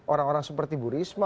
orang orang seperti bu risma